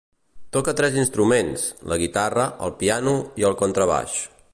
Toca tres instruments: la guitarra, el piano i el contrabaix.